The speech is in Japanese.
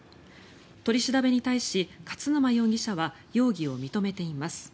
取り調べに対し勝沼容疑者は容疑を認めています。